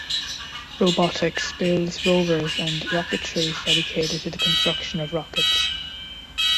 Robotics builds rovers and Rocketry is dedicated to the construction of rockets.